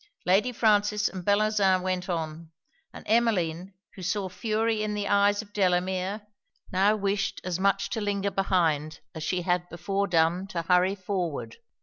Lady Frances and Bellozane went on; and Emmeline, who saw fury in the eyes of Delamere, now wished as much to linger behind as she had before done to hurry forward.